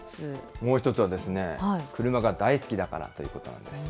もう１つはですね、車が大好きだからということなんです。